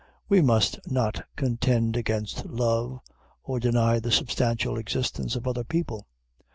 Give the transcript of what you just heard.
We must not contend against love, or deny the substantial existence of other people.